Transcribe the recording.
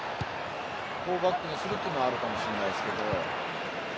４バックにするというのはあるかもしれないですけど。